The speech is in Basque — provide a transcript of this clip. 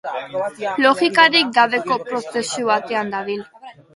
Logikarik gabeko prozesu batean dabil.